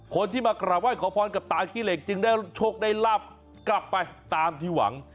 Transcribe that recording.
คนที่มากราบไห้ขอพรกับตาขี้เหล็กจึงได้โชคได้ลาบกลับไปตามที่หวัง